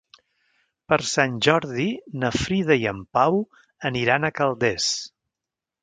Per Sant Jordi na Frida i en Pau aniran a Calders.